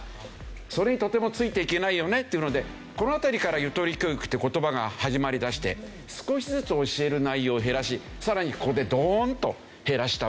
それにとてもついていけないよねというのでこの辺りからゆとり教育という言葉が始まり出して少しずつ教える内容を減らしさらにここでドーンと減らしたわけですね。